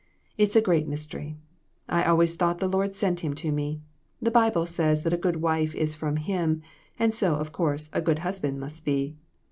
It's a great mystery. I always thought the Lord sent him to me. The Bible says that a good wife is from him, and so, of course, a good husband must be.